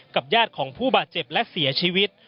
ญาติของผู้บาดเจ็บและเสียชีวิต